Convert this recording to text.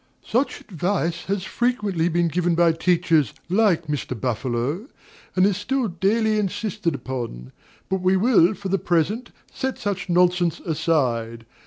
Such advice has frequently been given by teachers like Mr. Buffalo, and is still daily insisted on; but we will, for the present, set such nonsense aside.